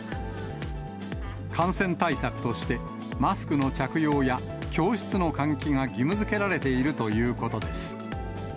感染対策として、マスクの着用や教室の換気が義務づけられているということです。